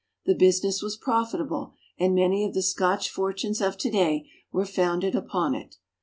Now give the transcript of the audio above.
The business was profitable, and many of the Scotch fortunes of to day were founded upon it.